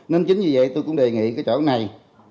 nên chính vì vậy tôi cũng đề nghị cái chỗ này